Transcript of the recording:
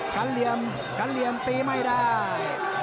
กันเหลี่ยมตีไม่ได้